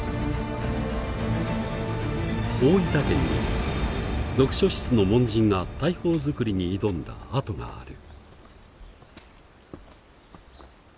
大分県に読書室の門人が大砲作りに挑んだ跡がある。